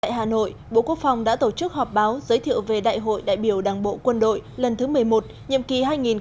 tại hà nội bộ quốc phòng đã tổ chức họp báo giới thiệu về đại hội đại biểu đảng bộ quân đội lần thứ một mươi một nhiệm kỳ hai nghìn hai mươi hai nghìn hai mươi năm